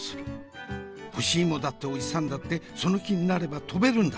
干し芋だっておじさんだってその気になれば飛べるんだ。